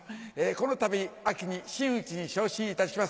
このたび秋に真打ちに昇進いたします。